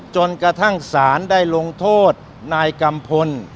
จนกระทั่งศาลได้ลงโทษนายกัมพล